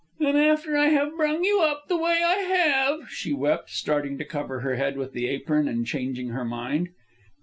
"An' after I have brung you up the way I have," she wept, starting to cover her head with the apron and changing her mind.